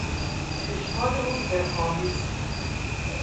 چشمان او سحرآمیز بود.